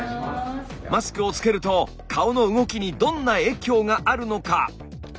マスクをつけると顔の動きにどんな影響があるのか？